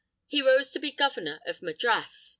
He rose to be Governor of Madras.